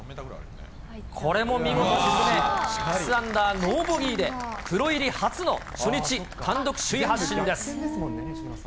これも見事沈め、６アンダーノーボギーで、プロ入り初の初日単独首位発進です。